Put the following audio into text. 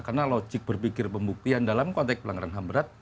karena logik berpikir pembuktian dalam konteks pelanggaran ham berat